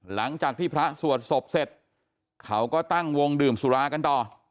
หลังจากที่พระสวดศพเสร็จเขาก็ตั้งวงดื่มสุรากันต่อ